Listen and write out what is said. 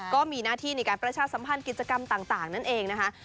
ก็มีหน้าที่ในการประชาสัมพันธ์กิจกรรมต่างนั่นเองนะคะ